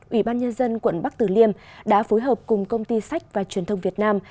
ủy ban nhân dân quận bắc tử liêm đã phối hợp cùng công ty sách và truyền thông việt nam